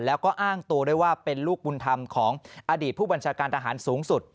แล้วก็อ้างตัวด้วยว่าเป็นลูกบุญธรรมของอดีตผู้บัญชาการทหารสูงสุด